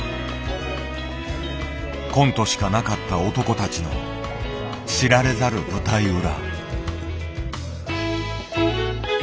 コントしかなかった男たちの知られざる舞台裏。